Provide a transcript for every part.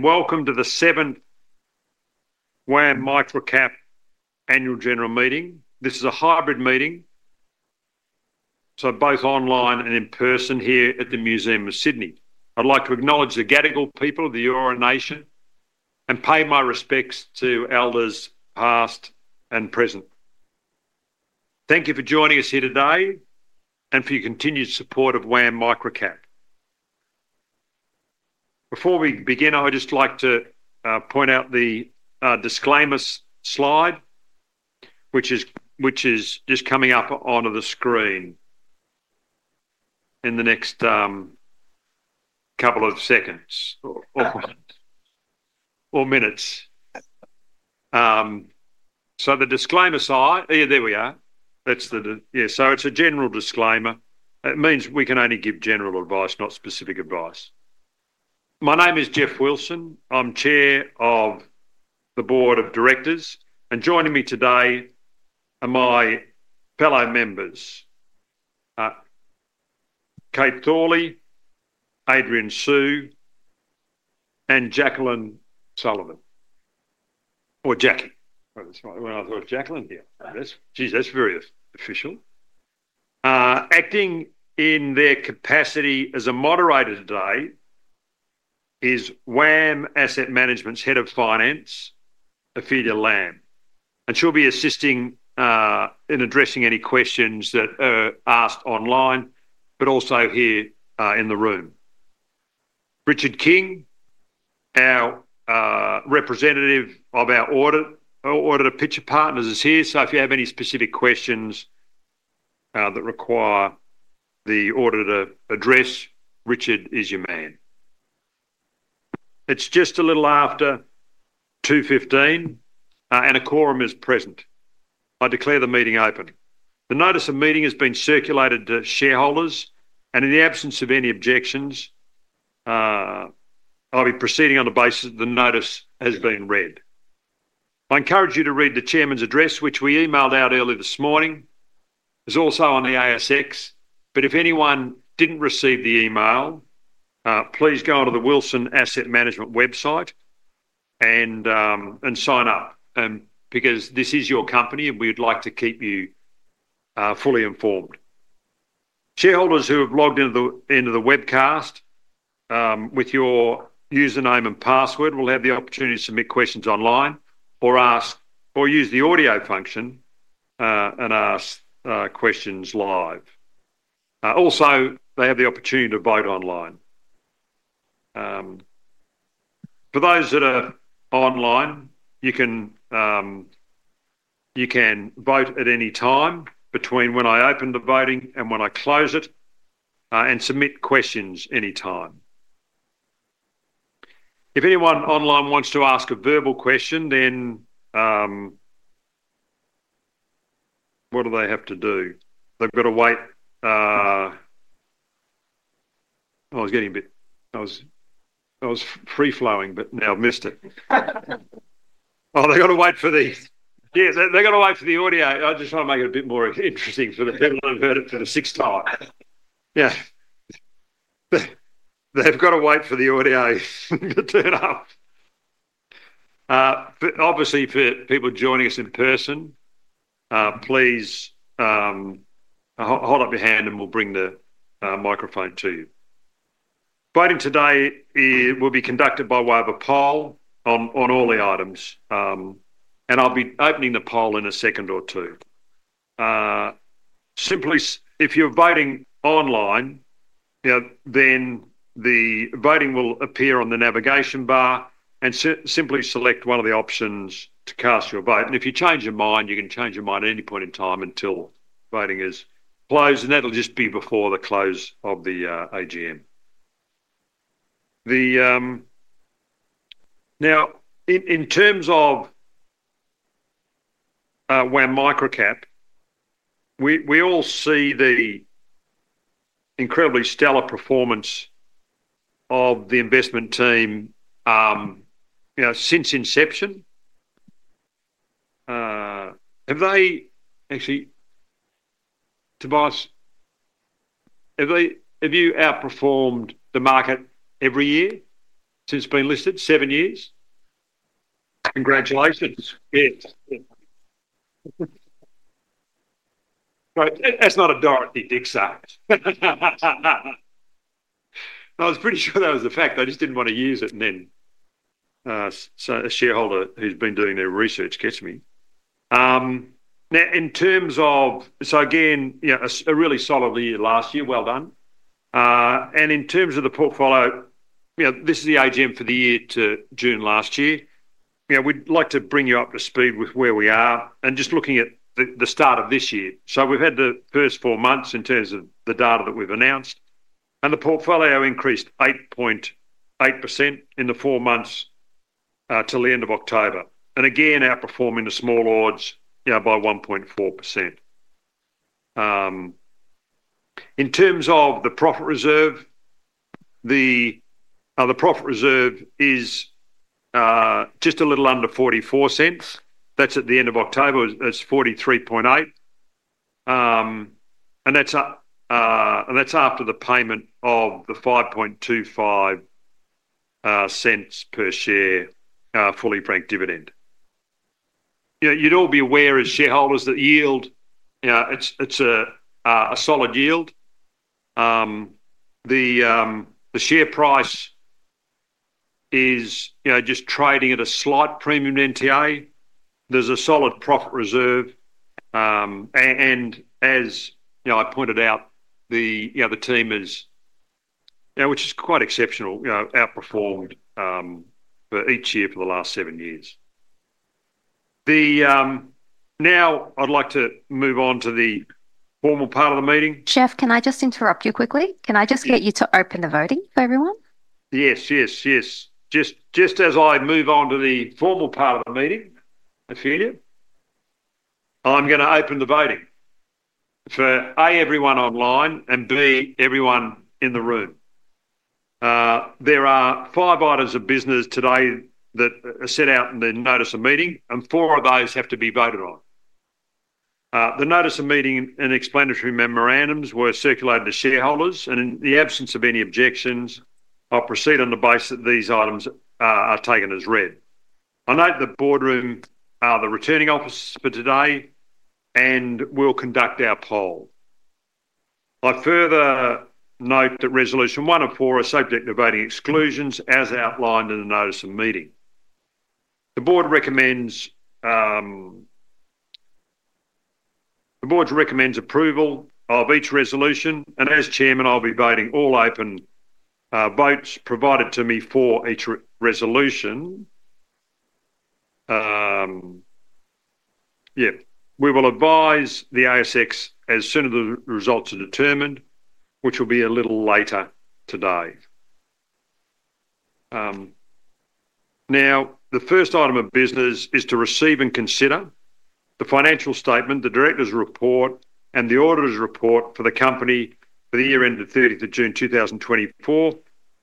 Welcome to the seventh WAM Microcap Annual General Meeting. This is a hybrid meeting, so both online and in person here at the Museum of Sydney. I'd like to acknowledge the Gadigal people of the Eora Nation and pay my respects to elders past and present. Thank you for joining us here today and for your continued support of WAM Microcap. Before we begin, I would just like to point out the disclaimer slide, which is just coming up onto the screen in the next couple of seconds or minutes. So the disclaimer slide, yeah, there we are. Yeah, so it's a general disclaimer. It means we can only give general advice, not specific advice. My name is Geoff Wilson. I'm Chair of the Board of Directors. And joining me today are my fellow members, Kate Thorley, Adrian Siew, and Jacqueline Sullivan, or Jackie. When I thought, "Jacqueline?" Yeah, jeez, that's very official. Acting in their capacity as a moderator today is WAM Asset Management's head of finance, Ophelia Lam. And she'll be assisting in addressing any questions that are asked online, but also here in the room. Richard King, our representative of our auditor, Pitcher Partners, is here. So if you have any specific questions that require the auditor to address, Richard is your man. It's just a little after 2:15 P.M., and a quorum is present. I declare the meeting open. The notice of meeting has been circulated to shareholders. And in the absence of any objections, I'll be proceeding on the basis that the notice has been read. I encourage you to read the chairman's address, which we emailed out early this morning. It's also on the ASX. But if anyone didn't receive the email, please go onto the Wilson Asset Management website and sign up because this is your company, and we'd like to keep you fully informed. Shareholders who have logged into the webcast with your username and password will have the opportunity to submit questions online or use the audio function and ask questions live. Also, they have the opportunity to vote online. For those that are online, you can vote at any time between when I open the voting and when I close it and submit questions anytime. If anyone online wants to ask a verbal question, then what do they have to do? They've got to wait. Oh, I was getting a bit, I was free-flowing, but now I've missed it. Oh, they've got to wait for the, yeah, they've got to wait for the audio. I just want to make it a bit more interesting so that everyone heard it for the sixth time. Yeah. They've got to wait for the audio to turn up. Obviously, for people joining us in person, please hold up your hand, and we'll bring the microphone to you. Voting today will be conducted by way of a poll on all the items, and I'll be opening the poll in a second or two. If you're voting online, then the voting will appear on the navigation bar, and simply select one of the options to cast your vote, and if you change your mind, you can change your mind at any point in time until voting is closed, and that'll just be before the close of the AGM. Now, in terms of WAM Microcap, we all see the incredibly stellar performance of the investment team since inception. Have they actually, Tobias, have you outperformed the market every year since being listed? Seven years? Congratulations. Yes. That's not a Dorothy Dixer. I was pretty sure that was a fact. I just didn't want to use it. And then a shareholder who's been doing their research catches me. Now, in terms of, so again, a really solid year last year. Well done. And in terms of the portfolio, this is the AGM for the year to June last year. We'd like to bring you up to speed with where we are and just looking at the start of this year. So we've had the first four months in terms of the data that we've announced. And the portfolio increased 8.8% in the four months till the end of October, and again, outperforming the Small Ords by 1.4%. In terms of the profit reserve, the profit reserve is just a little under 0.44. That's at the end of October. It's 0.438. And that's after the payment of the 0.0525 per share fully-franked dividend. You'd all be aware as shareholders that yield, it's a solid yield. The share price is just trading at a slight premium NTA. There's a solid profit reserve. And as I pointed out, the team is, which is quite exceptional, outperformed for each year for the last seven years. Now, I'd like to move on to the formal part of the meeting. Geoff, can I just interrupt you quickly? Can I just get you to open the voting for everyone? Yes, yes, yes. Just as I move on to the formal part of the meeting, Ophelia, I'm going to open the voting for, A, everyone online, and B, everyone in the room. There are five items of business today that are set out in the notice of meeting, and four of those have to be voted on. The notice of meeting and explanatory memorandums were circulated to shareholders. And in the absence of any objections, I'll proceed on the basis that these items are taken as read. I note BoardRoom, the returning officers for today, and we'll conduct our poll. I further note that resolution 104 is subject to voting exclusions as outlined in the notice of meeting. The board recommends approval of each resolution. And as chairman, I'll be voting all open votes provided to me for each resolution. Yeah. We will advise the ASX as soon as the results are determined, which will be a little later today. Now, the first item of business is to receive and consider the financial statement, the director's report, and the auditor's report for the company for the year ended 30th of June 2024.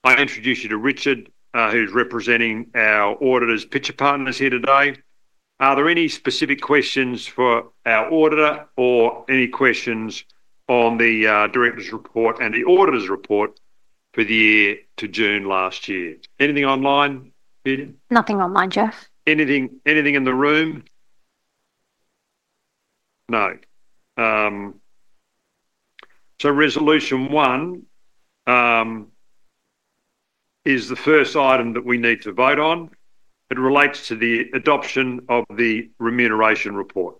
I introduce you to Richard, who's representing our auditors, Pitcher Partners, here today. Are there any specific questions for our auditor or any questions on the director's report and the auditor's report for the year to June last year? Anything online, Ophelia? Nothing online, Jeff. Anything in the room? No. So resolution one is the first item that we need to vote on. It relates to the adoption of the remuneration report.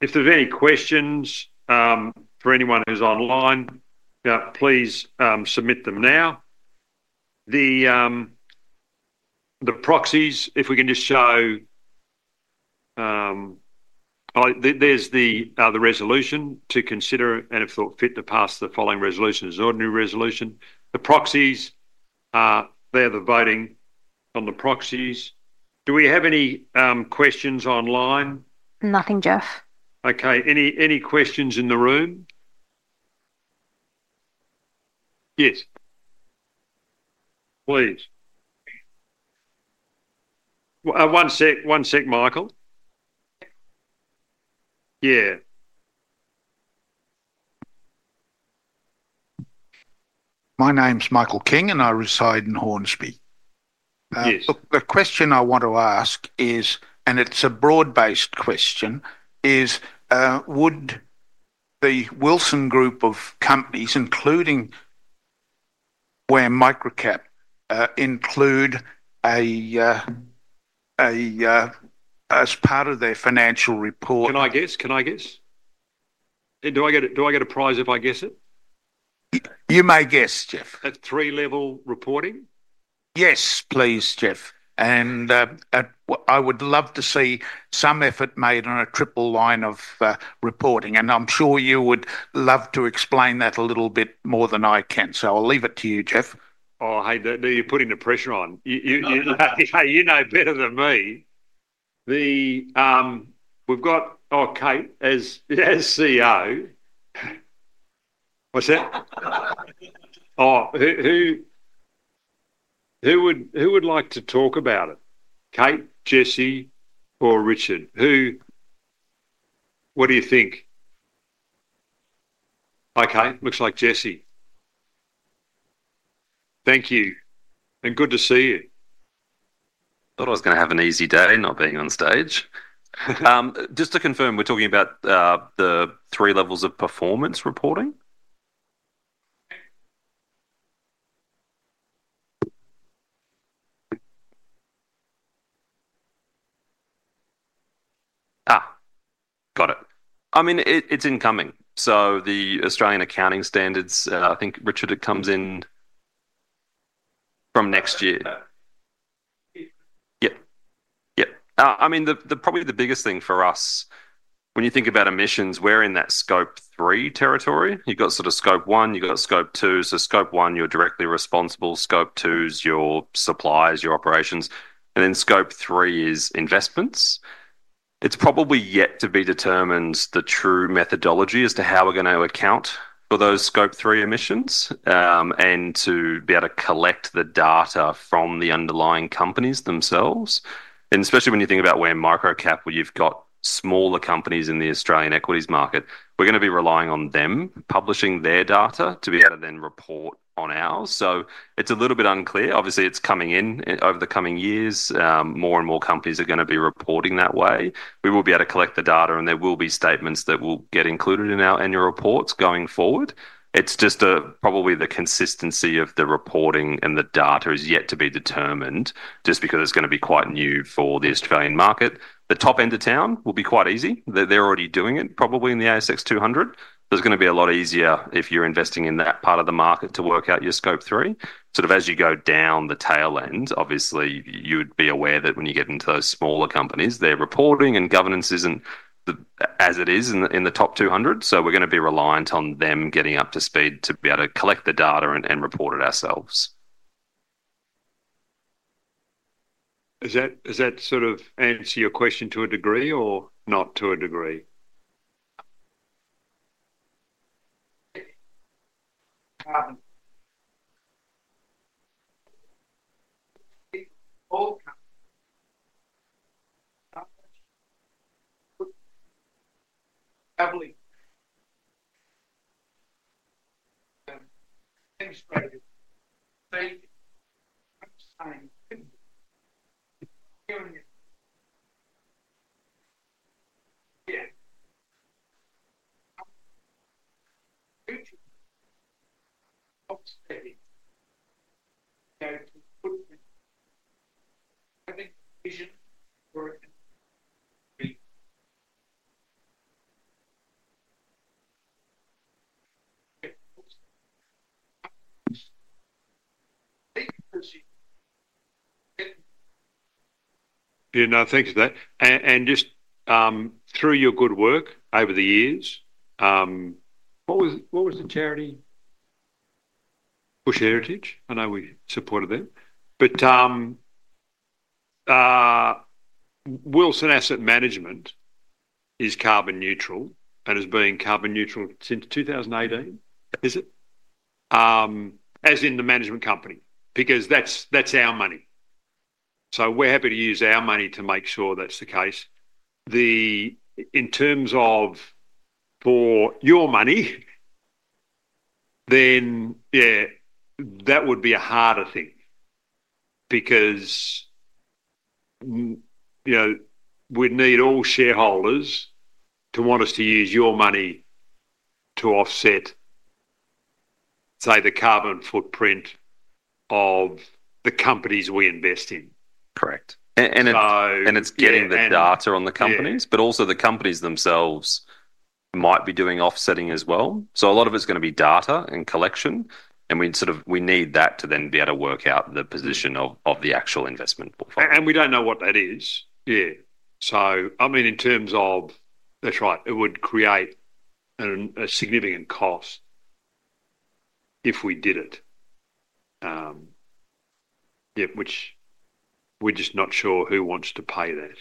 If there's any questions for anyone who's online, please submit them now. The proxies, if we can just show there's the resolution to consider and if thought fit to pass the following resolution as ordinary resolution. The proxies, they're the voting on the proxies. Do we have any questions online? Nothing, Jeff. Okay. Any questions in the room? Yes. Please. One sec, Michael. Yeah. Yeah. My name's Michael King, and I reside in Hornsby. Yes. The question I want to ask is, and it's a broad-based question, is would the Wilson Group of companies, including WAM Microcap, include a as part of their financial report? Can I guess? Can I guess? Do I get a prize if I guess it? You may guess, Jeff. triple line of reporting? Yes, please, Jeff. And I would love to see some effort made on a triple line of reporting. And I'm sure you would love to explain that a little bit more than I can. So I'll leave it to you, Jeff. Oh, hey, you're putting the pressure on. You know better than me. We've got Kate, as CEO. What's that? Oh, who would like to talk about it? Kate, Jesse, or Richard? What do you think? Okay. Looks like Jessie. Thank you, and good to see you. I thought I was going to have an easy day not being on stage. Just to confirm, we're talking about the three levels of performance reporting? Got it. I mean, it's incoming. So the Australian Accounting Standards, I think, Richard, it comes in from next year. Yeah. Yeah. Yeah. I mean, probably the biggest thing for us, when you think about emissions, we're in that scope three territory. You've got sort of scope one. You've got scope two. So scope one, you're directly responsible. Scope two is your supplies, your operations. And then scope three is investments. It's probably yet to be determined the true methodology as to how we're going to account for those scope three emissions and to be able to collect the data from the underlying companies themselves. And especially when you think about WAM Microcap, where you've got smaller companies in the Australian equities market, we're going to be relying on them publishing their data to be able to then report on ours. So it's a little bit unclear. Obviously, it's coming in over the coming years. More and more companies are going to be reporting that way. We will be able to collect the data, and there will be statements that will get included in your reports going forward. It's just probably the consistency of the reporting and the data is yet to be determined just because it's going to be quite new for the Australian market. The top end of town will be quite easy. They're already doing it, probably in the ASX 200. So it's going to be a lot easier if you're investing in that part of the market to work out your scope three. Sort of as you go down the tail end, obviously, you'd be aware that when you get into those smaller companies, they're reporting and governance isn't as it is in the top 200. So we're going to be reliant on them getting up to speed to be able to collect the data and report it ourselves. Does that sort of answer your question to a degree or not to a degree? Yeah, no, thanks for that. And just through your good work over the years, what was the charity? Bush Heritage. I know we supported them. But Wilson Asset Management is carbon neutral and has been carbon neutral since 2018, is it? As in the management company, because that's our money. So we're happy to use our money to make sure that's the case. In terms of for your money, then yeah, that would be a harder thing because we'd need all shareholders to want us to use your money to offset, say, the carbon footprint of the companies we invest in. Correct. And it's getting the data on the companies, but also the companies themselves might be doing offsetting as well. So a lot of it's going to be data and collection. And we need that to then be able to work out the position of the actual investment portfolio. And we don't know what that is. Yeah. So I mean, in terms of, that's right. It would create a significant cost if we did it, which we're just not sure who wants to pay that.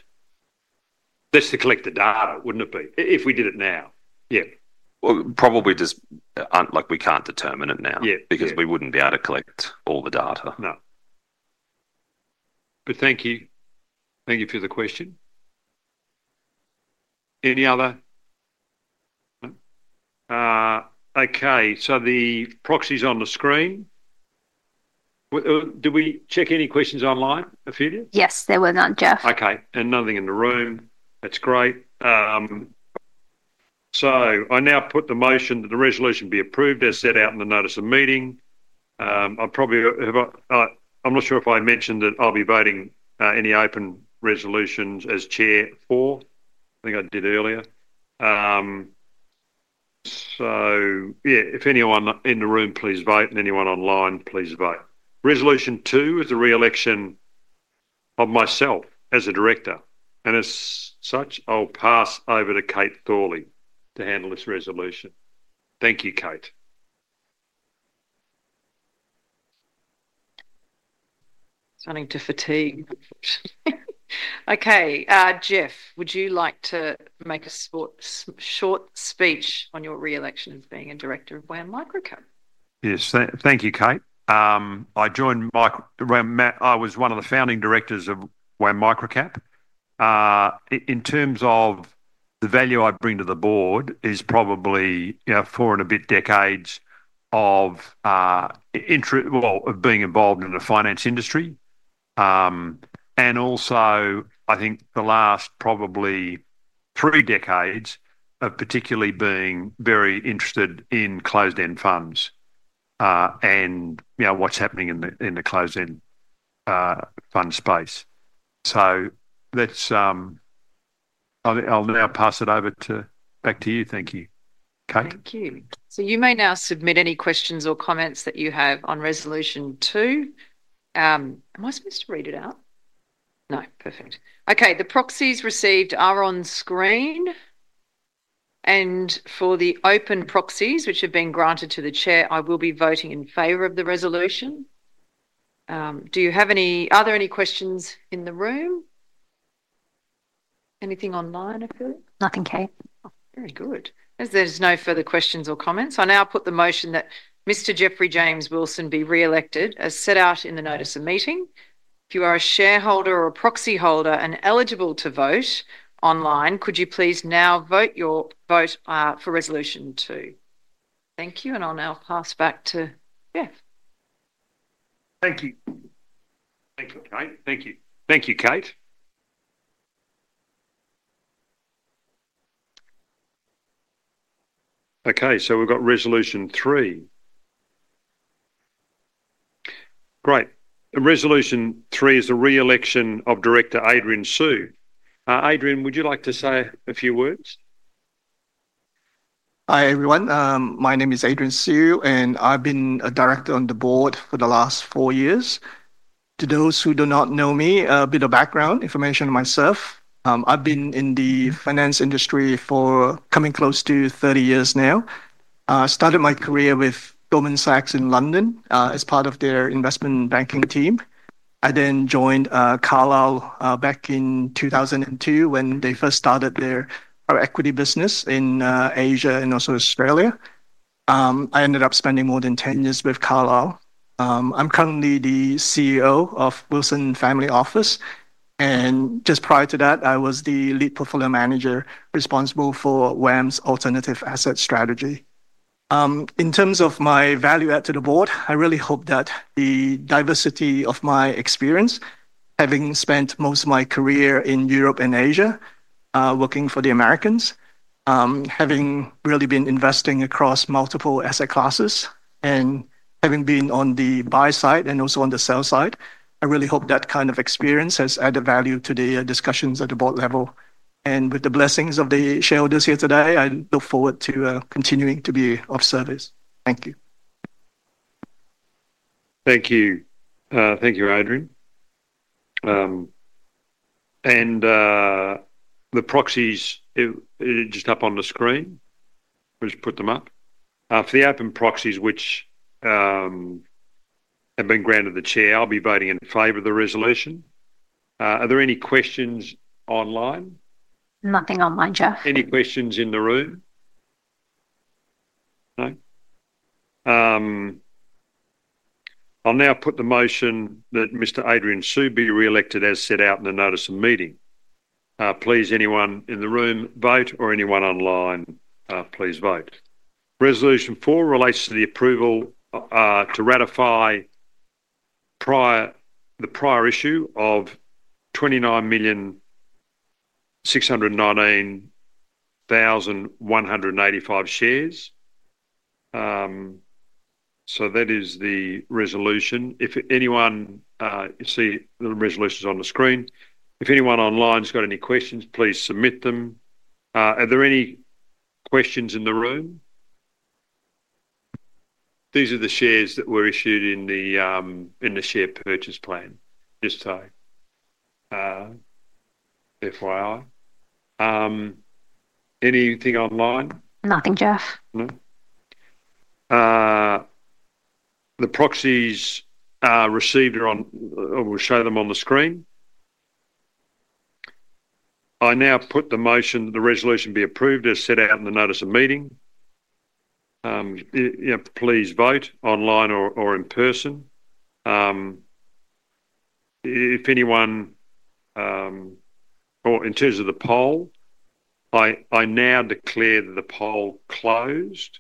That's to collect the data, wouldn't it be? If we did it now. Yeah. Probably just we can't determine it now because we wouldn't be able to collect all the data. No. But thank you. Thank you for the question. Any other? Okay. So the proxies on the screen. Did we check any questions online, Ophelia? Yes, they were none, Jeff. Okay. And nothing in the room. That's great. So I now put the motion that the resolution be approved. They're set out in the notice of meeting. I'm not sure if I mentioned that I'll be voting any open resolutions as chair for. I think I did earlier. So yeah, if anyone in the room, please vote. And anyone online, please vote. Resolution two is the re-election of myself as a director. And as such, I'll pass over to Kate Thorley to handle this resolution. Thank you, Kate. Starting to fatigue. Okay. Jeff, would you like to make a short speech on your re-election as being a director of WAM Microcap? Yes. Thank you, Kate. I was one of the founding directors of WAM Microcap. In terms of the value I bring to the board is probably four and a bit decades of being involved in the finance industry. And also, I think the last probably three decades of particularly being very interested in closed-end funds and what's happening in the closed-end fund space. So I'll now pass it back to you. Thank you, Kate. Thank you. So you may now submit any questions or comments that you have on resolution two. Am I supposed to read it out? No. Perfect. Okay. The proxies received are on screen. And for the open proxies, which have been granted to the chair, I will be voting in favor of the resolution. Do you have any other questions in the room? Anything online, Ophelia? Nothing, Kate. Very good. As there's no further questions or comments, I now put the motion that Mr. Geoffrey James Wilson be re-elected as set out in the notice of meeting. If you are a shareholder or a proxy holder and eligible to vote online, could you please now vote your vote for resolution two? Thank you. And I'll now pass back to Jeff. Thank you. Thank you, Kate. Thank you. Thank you, Kate. Okay. So we've got resolution three. Great. Resolution three is the re-election of Director Adrian Siew. Adrian, would you like to say a few words? Hi, everyone. My name is Adrian Siew, and I've been a director on the board for the last four years. To those who do not know me, a bit of background information on myself. I've been in the finance industry for coming close to 30 years now. I started my career with Goldman Sachs in London as part of their investment banking team. I then joined Carlyle back in 2002 when they first started their equity business in Asia and also Australia. I ended up spending more than 10 years with Carlyle. I'm currently the CEO of Wilson Family Office. And just prior to that, I was the lead portfolio manager responsible for WAM's alternative asset strategy. In terms of my value add to the board, I really hope that the diversity of my experience, having spent most of my career in Europe and Asia working for the Americans, having really been investing across multiple asset classes, and having been on the buy side and also on the sell side, I really hope that kind of experience has added value to the discussions at the board level. And with the blessings of the shareholders here today, I look forward to continuing to be of service. Thank you. Thank you. Thank you, Adrian. And the proxies, just up on the screen, let me just put them up. For the open proxies, which have been granted the chair, I'll be voting in favor of the resolution. Are there any questions online? Nothing online, Jeff. Any questions in the room? No? I'll now put the motion that Mr. Adrian Su be re-elected as set out in the notice of meeting. Please, anyone in the room, vote, or anyone online, please vote. Resolution four relates to the approval to ratify the prior issue of 29,619,185 shares. So that is the resolution. If anyone sees the resolution is on the screen, if anyone online's got any questions, please submit them. Are there any questions in the room? These are the shares that were issued in the share purchase plan, just so FYI. Anything online? Nothing, Jeff. No? The proxies are received, or we'll show them on the screen. I now put the motion that the resolution be approved as set out in the notice of meeting. Please vote online or in person. In terms of the poll, I now declare that the poll closed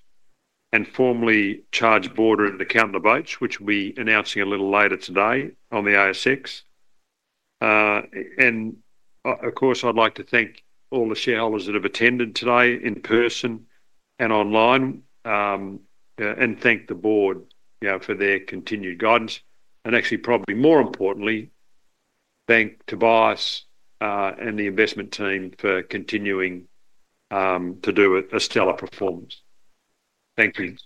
and formally charge Boardroom and the count of the votes, which we'll be announcing a little later today on the ASX. And of course, I'd like to thank all the shareholders that have attended today in person and online and thank the board for their continued guidance. And actually, probably more importantly, thank Tobias and the investment team for continuing to do a stellar performance. Thank you.